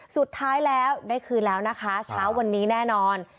สุดท้ายแล้วได้คืนแล้วนะคะเช้าวันนี้แน่นอน